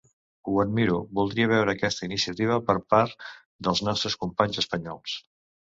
Ho admiro, voldria veure aquesta iniciativa per part dels nostres companys espanyols.